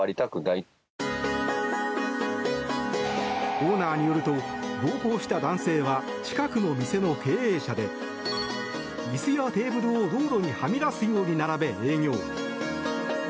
オーナーによると暴行した男性は近くの店の経営者で椅子やテーブルを道路にはみ出すように並べ営業。